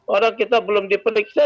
orang kita belum diperiksa